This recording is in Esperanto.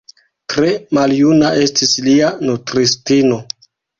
Tre maljuna estis lia nutristino.